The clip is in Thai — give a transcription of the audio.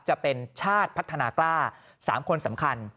จะเป็นชาติพัฒนากล้า๓คนสำคัญ